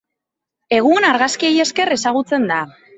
Egun argazkiei esker ezagutzen da.